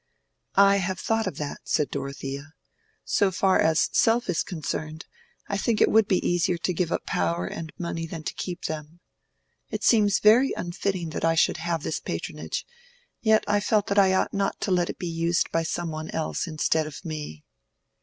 "I have thought of that," said Dorothea. "So far as self is concerned, I think it would be easier to give up power and money than to keep them. It seems very unfitting that I should have this patronage, yet I felt that I ought not to let it be used by some one else instead of me."